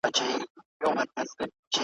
له هر چا یې وو هېر کړی زوی او کلی ,